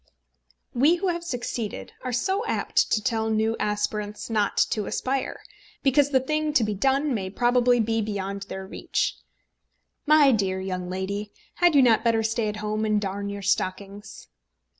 We who have succeeded are so apt to tell new aspirants not to aspire, because the thing to be done may probably be beyond their reach. "My dear young lady, had you not better stay at home and darn your stockings?"